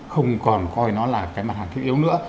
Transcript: không còn coi nó là cái mặt hàng thiết yếu nữa